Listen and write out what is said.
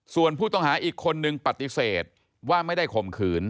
ส่วนผู้ต้องหาอีกคนนึงปฏิเสธว่าไม่ได้ข่มขืน